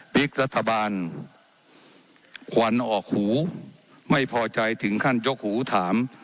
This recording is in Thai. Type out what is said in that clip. รัฐบาลควันออกหูไม่พอใจถึงขั้นยกหูถาม